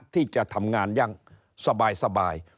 ที่จะทำงานอย่างสบาย